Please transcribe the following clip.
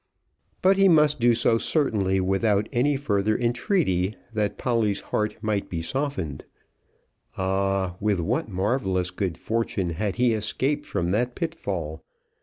But he must do so certainly without any further entreaty that Polly's heart might be softened. Ah, with what marvellous good fortune had he escaped from that pitfall!